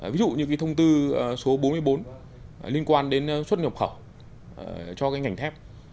ví dụ như cái thông tư số bốn mươi bốn liên quan đến xuất nhập khẩu cho cái ngành thép